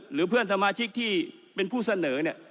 หรือเพื่อนสมาชิกที่เป็นผู้เสนอเนี่ย